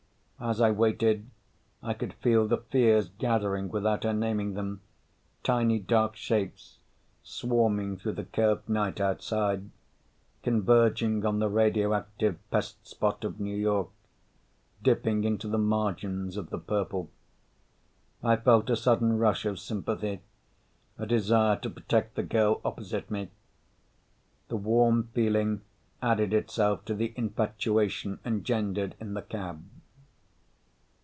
As I waited I could feel the fears gathering without her naming them, tiny dark shapes swarming through the curved night outside, converging on the radioactive pest spot of New York, dipping into the margins of the purple. I felt a sudden rush of sympathy, a desire to protect the girl opposite me. The warm feeling added itself to the infatuation engendered in the cab.